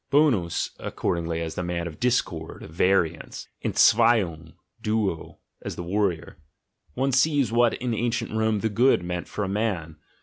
Bonus accordingly as the man of discord, of variance, "entzweiung" (duo), as the warrior: one sees what in ancient Rome "the good" meant for a man.